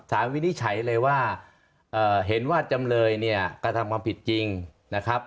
วินิจฉัยเลยว่าเห็นว่าจำเลยเนี่ยกระทำความผิดจริงนะครับ